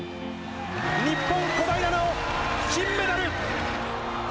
日本、小平奈緒、金メダル。